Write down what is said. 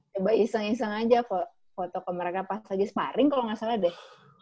coba iseng iseng aja foto ke mereka pas lagi sparring kalo gak salah deh